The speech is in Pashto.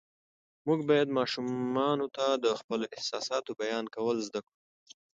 موږ باید ماشومانو ته د خپلو احساساتو بیان کول زده کړو